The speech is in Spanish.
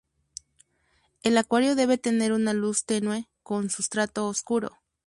El acuario debe de tener una luz tenue, con sustrato oscuro.